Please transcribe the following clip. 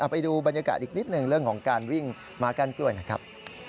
ไปดูบรรยากาศอีกนิดหนึ่งเรื่องของการวิ่งม้ากั้นกล้วยนะครับ